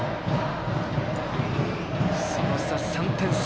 その差３点差。